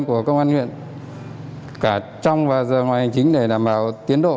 phục vụ các nhu cầu của công an huyện cả trong và giờ ngoài hành chính để đảm bảo tiến độ